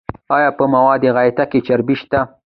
ایا په موادو غایطه کې چربی شته؟